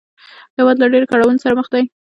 هېواد له ډېرو کړاوونو سره مخ دی